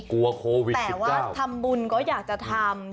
กลัวโควิดแต่ว่าทำบุญก็อยากจะทำ